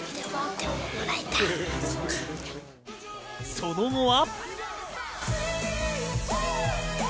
その後は。